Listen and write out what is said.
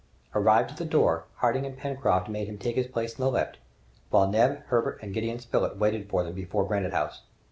Arrived at the door, Harding and Pencroft made him take his place in the lift, while Neb, Herbert, and Gideon Spilett waited for them before Granite House.